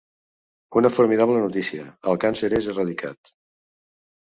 Una formidable notícia: el càncer és erradicat.